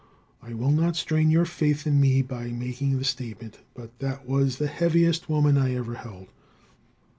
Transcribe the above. I will not strain your faith in me by making the statement, but that was the heaviest woman I ever held.